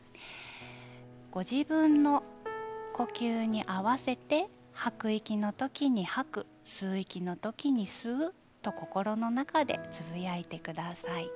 ご自分の呼吸に合わせて吐く息の時に吐く吸う息の時に吸うと心の中でつぶやいてください。